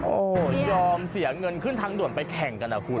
โอ้โหยอมเสียเงินขึ้นทางด่วนไปแข่งกันนะคุณ